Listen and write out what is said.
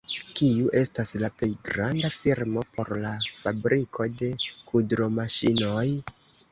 Kiu estas la plej granda firmo por la fabriko de kudromaŝinoj?